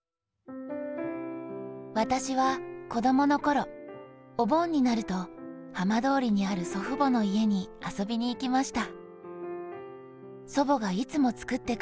「私は、子どものころ、お盆になると浜通りにある祖父母の家に遊びに行きました」。